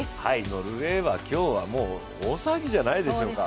ノルウェーは今日は大騒ぎじゃないでしょうか。